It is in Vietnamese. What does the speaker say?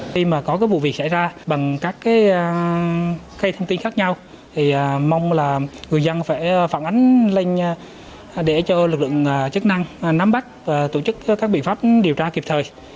khi mà có vụ việc xảy ra bằng các thông tin khác nhau thì mong là người dân phải phản ánh lên để cho lực lượng chức năng nắm bắt và tổ chức các biện pháp điều tra kịp thời